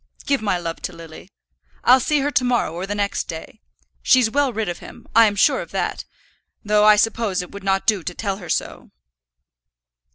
Give my love to Lily. I'll see her to morrow or the next day. She's well rid of him; I'm sure of that; though I suppose it would not do to tell her so."